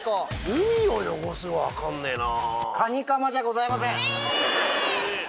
「海を汚す」が分かんねえな。